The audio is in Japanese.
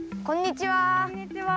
こんにちは。